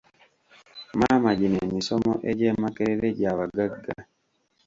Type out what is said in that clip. Maama gino emisomo egy'e Makerere gya bagagga.